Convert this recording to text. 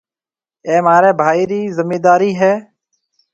اَي مهاريَ ڀائِي رِي زميندارِي هيَ۔